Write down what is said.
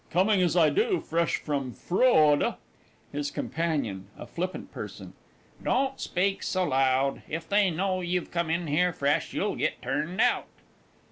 Coming as I do, fresh from Froude HIS COMPANION (a Flippant Person). Don't speak so loud. If they know you've come in here fresh, you'll get turned out!